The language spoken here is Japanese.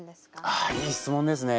あいい質問ですね。